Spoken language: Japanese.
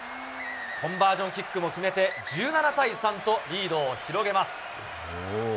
コンバージョンキックも決めて、１７対３とリードを広げます。